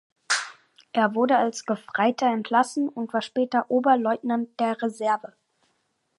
Er wurde als Gefreiter entlassen und war später Oberleutnant der Reserve.